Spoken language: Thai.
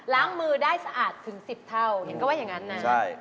ล้างมือได้สะอาดถึง๑๐เท่าเห็นก็ว่าอย่างนั้นนะ